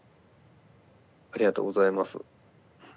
ありがとうございます。